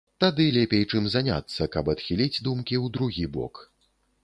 Тады лепей чым заняцца, каб адхіліць думкі ў другі бок.